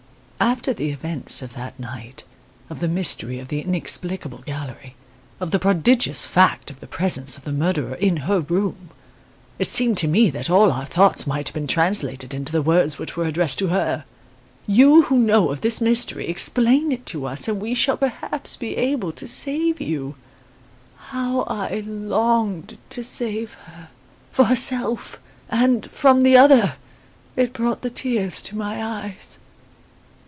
After the events of that night, of the mystery of the inexplicable gallery, of the prodigious fact of the presence of the murderer in her room, it seemed to me that all our thoughts might have been translated into the words which were addressed to her. 'You who know of this mystery, explain it to us, and we shall perhaps be able to save you. How I longed to save her for herself, and, from the other! It brought the tears to my eyes.